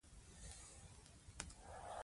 دوی به د خدای دوستان لیدلي وي.